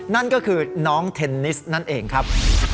นั่นก็คือน้องเทนนิสนั่นเองครับ